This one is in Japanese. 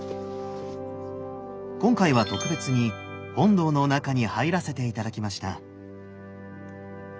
今回は特別に本堂の中に入らせて頂きました。